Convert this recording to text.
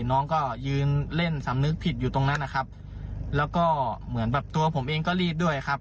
น้องก็ยืนเล่นสำนึกผิดอยู่ตรงนั้นนะครับแล้วก็เหมือนแบบตัวผมเองก็รีบด้วยครับ